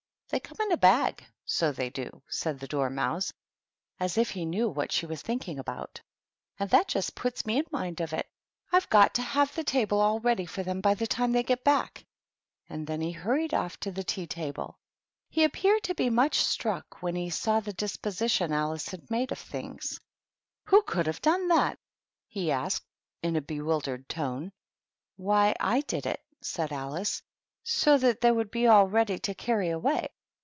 "They come in a bag, so they do," said the Dormouse, as if he knew what she was thinking about ;" and that just puts me in mind of it, — I've got to have the table all ready for them by the time they get back." And then he hurried 60 THE TEA TABLE. off to the tea table. He appeared to be much struck when he saw the disposition Alice had made of the things. " Who could have done that ?" he asked, in a bewildered tone. " Why, / did it," said Alice, " so that they would be all ready to carry away."